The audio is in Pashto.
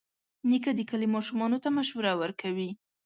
نیکه د کلي ماشومانو ته مشوره ورکوي.